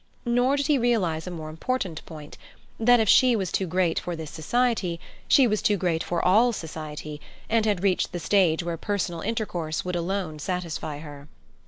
Nor did he realize a more important point—that if she was too great for this society, she was too great for all society, and had reached the stage where personal intercourse would alone satisfy her.